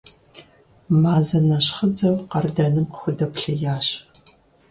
Мазэ нэщхъыдзэу къардэным къыхудэплъеящ.